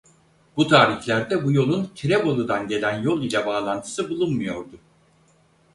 Bu tarihlerde bu yolun Tirebolu'dan gelen yol ile bağlantısı bulunmuyordu.